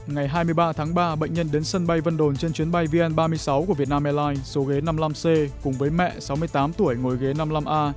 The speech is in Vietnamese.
ngày hai mươi ba tháng ba bệnh nhân đến sân bay vân đồn trên chuyến bay vn ba mươi sáu của việt nam airlines số ghế năm mươi năm c cùng với mẹ sáu mươi tám tuổi ngồi ghế năm mươi năm a